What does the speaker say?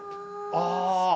ああ